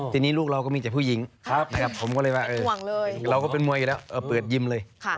ทีนี้ลูกเราก็มีแต่ผู้หญิงนะครับผมก็เลยว่าเราก็เป็นมวยอยู่แล้วเปิดยิมเลย